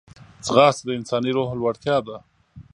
ځغاسته د انساني روح لوړتیا ده